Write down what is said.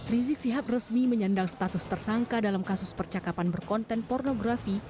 rizik sihab resmi menyandang status tersangka dalam kasus percakapan berkonten pornografi